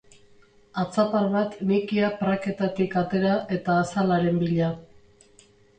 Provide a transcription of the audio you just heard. Atzapar bat nikia praketatik atera eta azalaren bila.